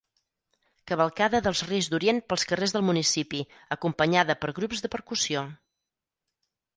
Cavalcada dels Reis d'Orient pels carrers del municipi acompanyada per grups de percussió.